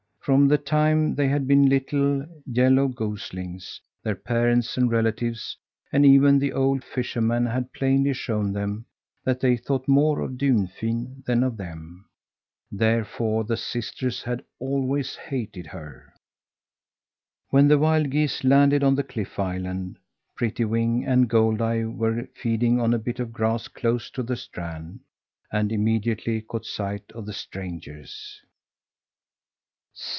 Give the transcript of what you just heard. From the time they had been little, yellow goslings, their parents and relatives and even the old fisherman had plainly shown them that they thought more of Dunfin than of them. Therefore the sisters had always hated her. When the wild geese landed on the cliff island, Prettywing and Goldeye were feeding on a bit of grass close to the strand, and immediately caught sight of the strangers.